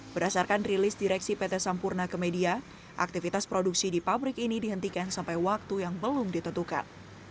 berdasarkan rilis direksi pt sampurna ke media aktivitas produksi di pabrik ini dihentikan sampai waktu yang belum ditentukan